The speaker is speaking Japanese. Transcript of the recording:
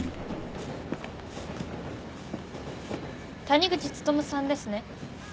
谷口努さんですね。